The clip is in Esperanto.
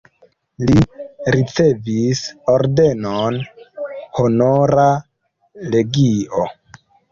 Li ricevis ordenon Honora legio.